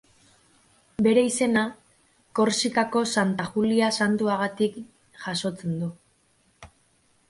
Bere izena, Korsikako Santa Julia santuagatik jasotzen du.